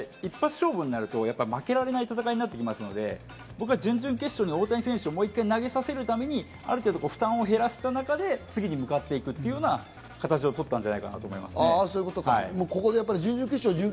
一発勝負になると負けられない戦いになってきますので、準々決勝に大谷選手をもう１回投げさせるために、ある程度、負担を減らした中で、次に向かっていくというような形を取ったんじゃないかと思いますね。